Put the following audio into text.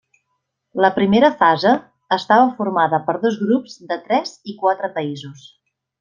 La primera fase estava formada per dos grups de tres i quatre països.